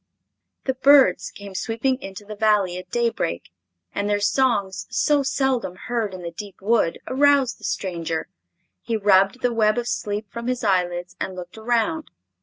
The birds came sweeping into the Valley at daybreak, and their songs, so seldom heard in the deep wood, aroused the stranger. He rubbed the web of sleep from his eyelids and looked around.